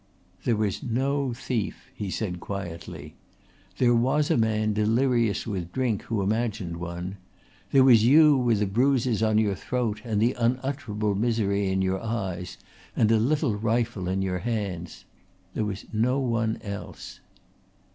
"There was no thief," he said quietly. "There was a man delirious with drink who imagined one. There was you with the bruises on your throat and the unutterable misery in your eyes and a little rifle in your hands. There was no one else."